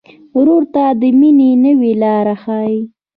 ورور ته د مینې نوې لاره ښيي.